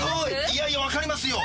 いやいや分かりますよ。